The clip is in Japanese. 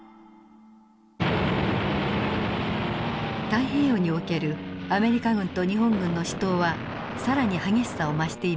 太平洋におけるアメリカ軍と日本軍の死闘は更に激しさを増していました。